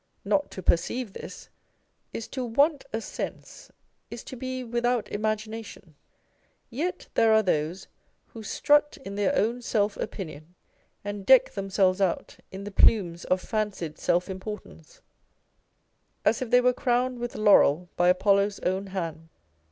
Not to perceive this is to want a sense, is to be without imagination. Yet there are those who strut in their own self opinion, and deck themselves out in the plumes of fancied self importance as if they were crowned with laurel by Apollo's own hand.